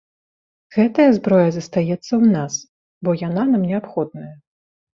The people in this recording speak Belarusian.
Гэтая зброя застаецца ў нас, бо яна нам неабходная.